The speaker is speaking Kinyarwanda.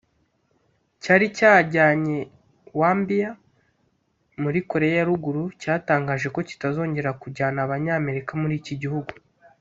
cyari cyajyanye Warmbier muri Koreya ya Ruguru cyatangaje ko kitazongera kujyana Abanyamerika muri iki gihugu